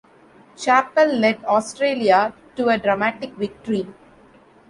Chappell led Australia to a dramatic victory.